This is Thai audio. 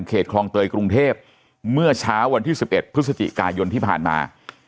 คลองเตยกรุงเทพเมื่อเช้าวันที่๑๑พฤศจิกายนที่ผ่านมา